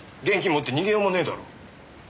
現金持って逃げようもねえだろ。